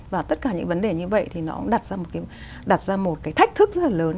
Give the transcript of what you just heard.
và tất cả những vấn đề như vậy thì nó đặt ra một cái thách thức rất là lớn